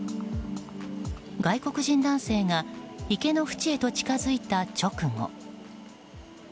外国人男性が池の縁へと近づいた直後。